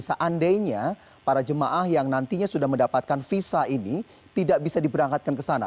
seandainya para jemaah yang nantinya sudah mendapatkan visa ini tidak bisa diberangkatkan ke sana